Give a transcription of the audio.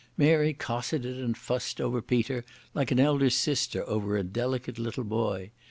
Mary cosseted and fussed over Peter like an elder sister over a delicate little boy.